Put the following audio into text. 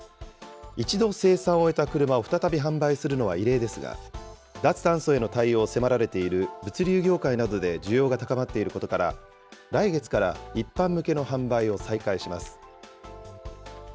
一度生産を終えた車を再び販売するのは異例ですが、脱炭素への対応を迫られている物流業界などで需要が高まっていることから、来月から一般向けの販売を再開します。